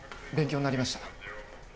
勉強になりました。